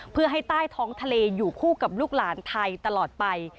เพื่อให้ใต้ท้องทะเลอยู่คู่กับลูกหลานไทยตลอดไป